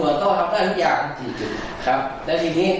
เค้าตรอมาพาทำพิธีที่บ้าน